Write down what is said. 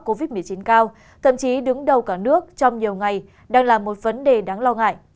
covid một mươi chín cao thậm chí đứng đầu cả nước trong nhiều ngày đang là một vấn đề đáng lo ngại